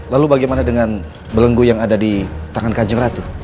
lalu bagaimana dengan belenggu yang ada di tangan kanjeng ratu